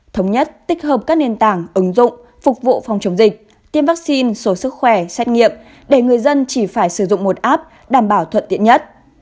thống nhất tích hợp các nền tảng ứng dụng phục vụ phòng chống dịch tiêm vaccine số sức khỏe xét nghiệm để người dân chỉ phải sử dụng một app đảm bảo thuận tiện nhất